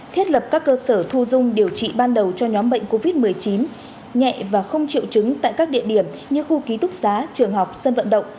thiết lập các cơ sở thu dung điều trị ban đầu cho nhóm bệnh covid một mươi chín nhẹ và không triệu chứng tại các địa điểm như khu ký túc xá trường học sân vận động